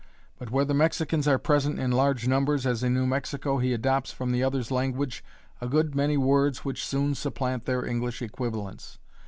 But where the Mexicans are present in large numbers, as in New Mexico, he adopts from the other's language a good many words which soon supplant their English equivalents.